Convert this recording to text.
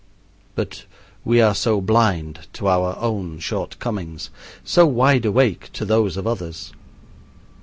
But we are so blind to our own shortcomings, so wide awake to those of others.